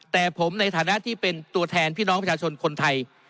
แต่ผมในฐานะที่เป็นตัวแทนพี่น้องประชาชนคนไทย